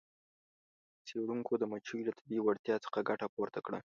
څیړونکو د مچیو له طبیعي وړتیا څخه ګټه پورته کړه.